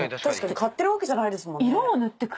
買ってるわけじゃないですもんね。